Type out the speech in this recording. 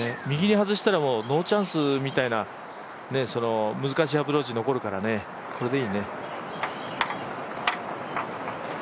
右に外したらノーチャンスみたいな、難しいアプローチ残るから、これでいいね。